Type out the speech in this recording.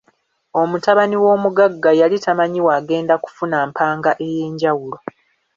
Omutabani w'omugagga yali tamanyi w'agenda kufuna mpanga ey'enjawulo.